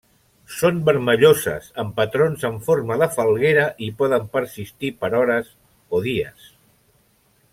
Són vermelloses, amb patrons en forma de falguera, i poden persistir per hores o dies.